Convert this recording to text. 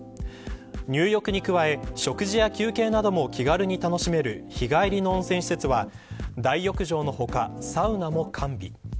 入浴に加え、食事や休憩なども気軽に楽しめる日帰りの温泉施設は大浴場の他、サウナも完備。